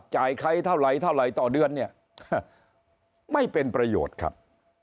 ใครเท่าไหรเท่าไหร่ต่อเดือนเนี่ยไม่เป็นประโยชน์ครับ